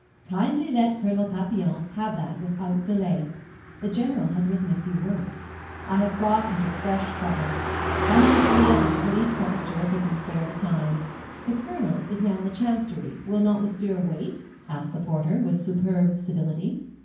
"Kindly let Colonel Papillon have that without delay." The General had written a few words: "I have got into fresh trouble. Come on to me at the Police Prefecture if you can spare the time." "The Colonel is now in the Chancery: will not monsieur wait?" asked the porter, with superb civility.